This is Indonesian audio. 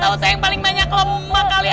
ya tau sayang paling banyak lo muma kali ya